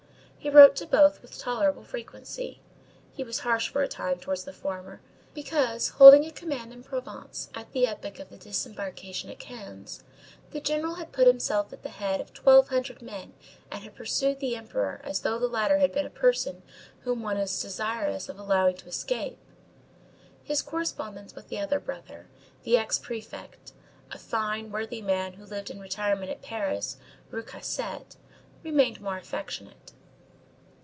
He wrote to both with tolerable frequency. He was harsh for a time towards the former, because, holding a command in Provence at the epoch of the disembarkation at Cannes, the general had put himself at the head of twelve hundred men and had pursued the Emperor as though the latter had been a person whom one is desirous of allowing to escape. His correspondence with the other brother, the ex prefect, a fine, worthy man who lived in retirement at Paris, Rue Cassette, remained more affectionate.